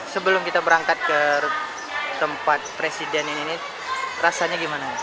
sebelum kita berangkat ke tempat presiden yang ini rasanya gimana